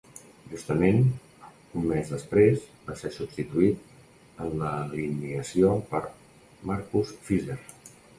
Justament un mes després, va ser substituït en l'alineació per Marcus Fizer.